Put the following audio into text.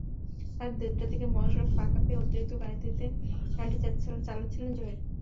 রাত দেড়টার দিকে মহাসড়ক ফাঁকা পেয়ে অতিরিক্ত গতিতে গাড়িটি চালাচ্ছিলেন জহির।